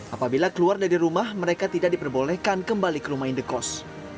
apabila keluar dari rumah mereka tidak diperbolehkan kembali ke rumah indekos